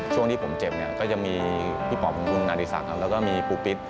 ช่วงที่ผมเจ็บก็จะมีพี่ปอปคุณนาฬิสักแล้วก็มีปูปิ๊ต